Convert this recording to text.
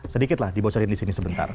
sedikit lah di bocorin di sini sebentar